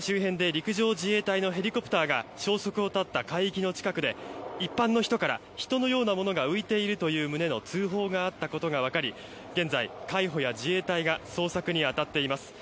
宮古島周辺で陸上自衛隊のヘリコプターが消息を絶った海域の近くで一般の人から人のようなものが浮いているという旨の通報があったことが分かり現在海保や自衛隊が捜索に当たっています。